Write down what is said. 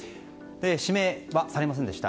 指名はされませんでした。